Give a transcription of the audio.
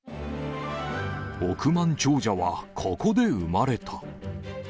億万長者はここで生まれた。